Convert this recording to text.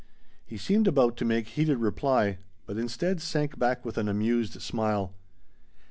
He seemed about to make heated reply, but instead sank back with an amused smile.